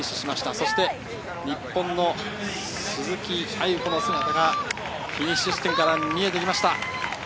そして日本の鈴木亜由子の姿がフィニッシュ地点から見えてきました。